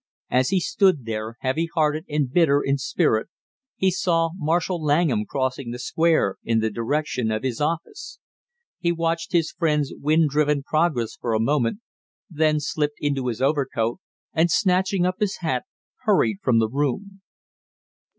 As he stood there, heavy hearted and bitter in spirit, he saw Marshall Langham crossing the Square in the direction of his office. He watched his friend's wind driven progress for a moment, then slipped into his overcoat and, snatching up his hat, hurried from the room.